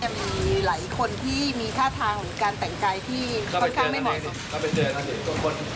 มีหลายคนที่มีท่าทางการแต่งกายที่ค่อนข้างไม่เหมาะสม